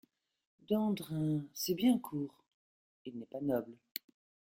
Dandrin… c’est bien court ; il n’est pas noble.